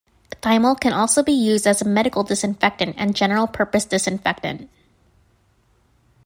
Thymol can also be used as a medical disinfectant and general purpose disinfectant.